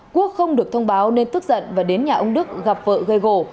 quốc không được thông báo nên tức giận và đến nhà ông đức gặp vợ gây gổ